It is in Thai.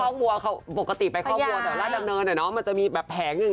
อีแจเพียร์กันก่อนแพียร์กันก่อนตอนนี้รอตเตอรี่ที่แบบแพงฟูนะ